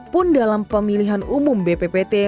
pun dalam pemilihan umum bppt